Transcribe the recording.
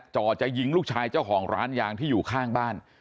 จ่อจะยิงลูกชายเจ้าของร้านยางที่อยู่ข้างบ้าน